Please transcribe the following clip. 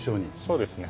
そうですね。